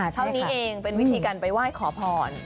เท่านี้เองเป็นวิธีการไปไหว้ขอพร